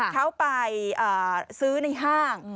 เขาไปซื้อในห้าง